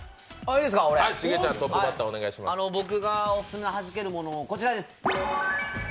僕がオススメのハジけるものこちらです。